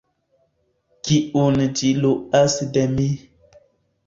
kiun ĝi luas de mi.